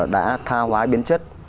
đã tha hoá biến chất